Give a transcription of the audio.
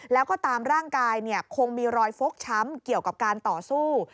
แล้วก็ตามร่างกายคงมีรอยฟกช้ำเกี่ยวกับการต่อสู้